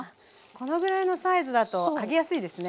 このぐらいのサイズだと揚げやすいですね。